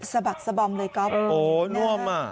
สะบักสะบอมเลยก๊อฟโหน่วมอ่ะ